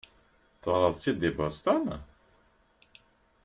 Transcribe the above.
Tuɣeḍ-tt-id deg Boston?